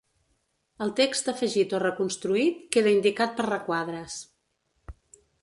El text afegit o reconstruït queda indicat per requadres.